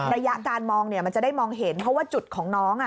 ระยะการมองมันจะได้มองเห็นเพราะว่าจุดของน้อง